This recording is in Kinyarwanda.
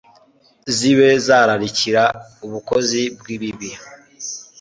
zibe zararikira ubukozi bw'ibibi